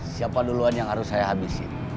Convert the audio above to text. siapa duluan yang harus saya habisin